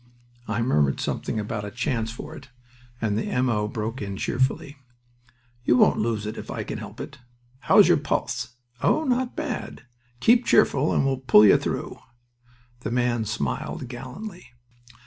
I murmured something about a chance for it, and the M. O. broke in cheerfully. "You won't lose it if I can help it. How's your pulse? Oh, not bad. Keep cheerful and we'll pull you through." The man smiled gallantly.